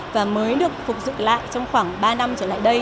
và mới được phục dựng lại trong khoảng ba năm trở lại đây